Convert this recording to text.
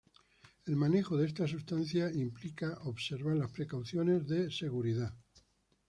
El manejo de esta sustancia implica observar las precauciones de seguridad.